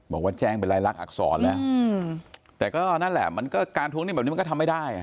บอกว่าแจ้งเป็นรายลักษณอักษรแล้วแต่ก็นั่นแหละมันก็การทวงหนี้แบบนี้มันก็ทำไม่ได้